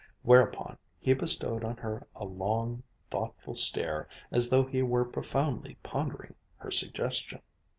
Whereupon he bestowed on her a long, thoughtful stare, as though he were profoundly pondering her suggestion.